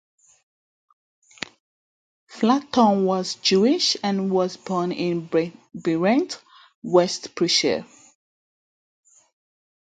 Flatow was Jewish, and was born in Berent, West Prussia.